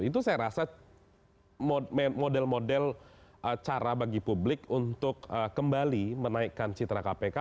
itu saya rasa model model cara bagi publik untuk kembali menaikkan citra kpk